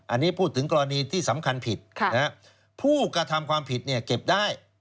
อันนี้พูดถึงกรณีที่สำคัญผิดผู้กระทำความผิดเนี่ยเก็บได้